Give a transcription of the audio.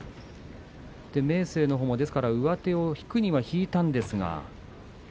明生も上手を引くには引いたんですが。